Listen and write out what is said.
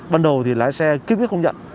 bắt đầu thì lái xe kích quyết không nhận